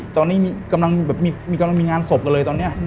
ตอนนี้กำลังมีงานศพกันเลยตอนนี้